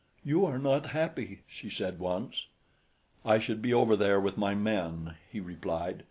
"You are not happy," she said once. "I should be over there with my men," he replied.